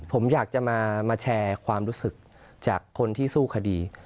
ผมอยากจะมาแชร์ความรู้สึกจากคนที่สู้คดี